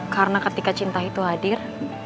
karena ketika cinta itu hadir